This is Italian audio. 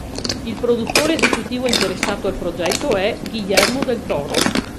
Il produttore esecutivo interessato al progetto è Guillermo del Toro.